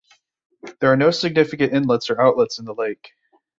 There are no significant inlets or outlets in the lake.